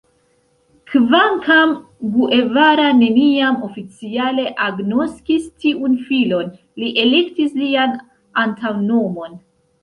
Kvankam Guevara neniam oficiale agnoskis tiun filon, li elektis lian antaŭnomon.